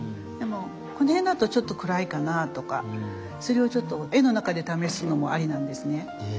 でもこの辺だとちょっと暗いかなとかそれをちょっと絵の中で試すのもありなんですね。